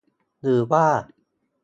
หรือว่า